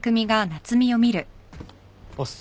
おっす。